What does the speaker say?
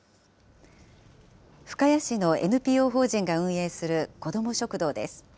深谷市のＮＰＯ法人が運営する子ども食堂です。